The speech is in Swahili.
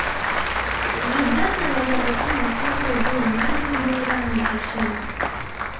Vijana waliwapatiwa mafunzo juu ya maadili bora na heshima